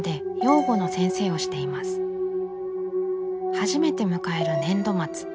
初めて迎える年度末。